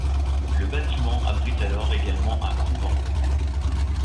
Le bâtiment abrite alors également un couvent.